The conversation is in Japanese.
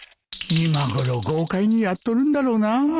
今ごろ豪快にやっとるんだろうな